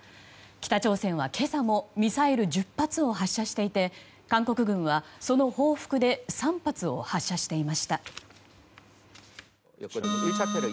北朝鮮は今朝もミサイル１０発を発射していて韓国軍はその報復で３発を発射していました。